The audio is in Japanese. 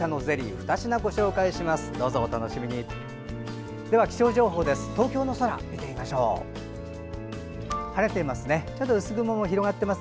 ２品、ご紹介します。